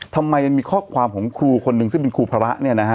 ทำไมมีข้อความของครูคนหนึ่งซึ่งเป็นครูพระ